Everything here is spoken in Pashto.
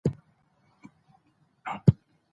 هغوی خپل ورور تنګاوه.